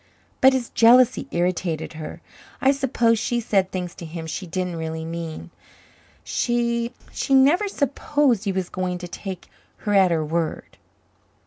But his jealousy irritated her. I suppose she said things to him she didn't really mean. She she never supposed he was going to take her at her word."